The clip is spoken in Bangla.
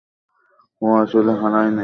ও আসলে হারায়নি।